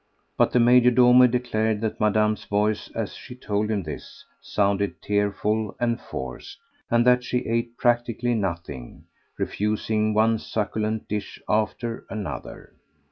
But the major domo declared that Madame's voice, as she told him this, sounded tearful and forced, and that she ate practically nothing, refusing one succulent dish after another.